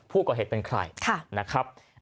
ตอนนี้ยังไม่ได้นะครับ